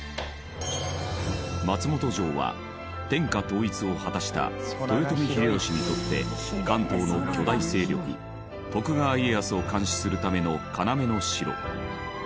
松本城は天下統一を果たした豊臣秀吉にとって関東の巨大勢力徳川家康を監視するための要の城。